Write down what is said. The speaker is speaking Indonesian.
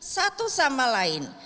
satu sama lain